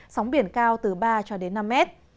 sóng biển cao từ ba cho đến năm mét